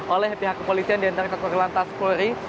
oleh pihak kepolisian diantara kakor lantas flori